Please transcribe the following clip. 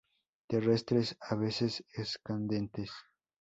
Terrestres, a veces escandentes.